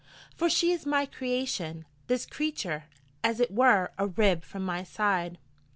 For she is my creation, this creature: as it were, a 'rib from my side.'